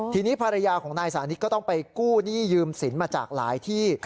ทีนี้ภรรยาของนายสานิทก็ต้องไปกู้หนี้ยืมสินมาจากหลายที่